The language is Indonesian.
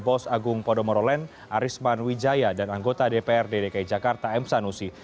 bos agung podomoro len arisman wijaya dan anggota dpr dki jakarta emsanusi